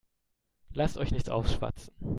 Lasst euch nichts aufschwatzen.